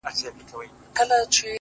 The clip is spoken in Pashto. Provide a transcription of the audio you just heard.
زه ستا په ځان كي يم ماته پيدا كړه ـ